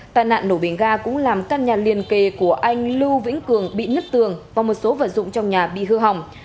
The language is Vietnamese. tài nạn nổ bình ga cũng làm căn nhà liền kề của anh lưu vĩnh cường bị nứt tường và một số vật dụng trong nhà bị hư hỏng